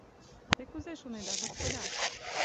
Те кузе шонеда, господа?